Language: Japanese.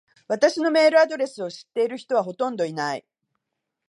私のメールアドレスを知ってる人はほとんどいない。